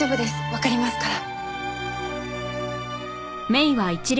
わかりますから。